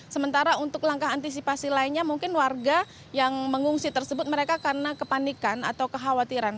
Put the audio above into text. sementara untuk langkah antisipasi lainnya mungkin warga yang mengungsi tersebut mereka karena kepanikan atau kekhawatiran